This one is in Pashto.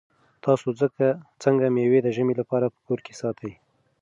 تاسو څنګه مېوې د ژمي لپاره په کور کې ساتئ؟